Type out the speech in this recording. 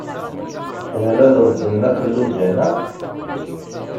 Temlaleḍ-d Nna Xelluǧa, naɣ?